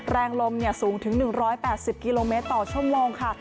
แรงลมสูงถึง๑๘๐กิโลเมตรต่อชั่วโมงค่ะ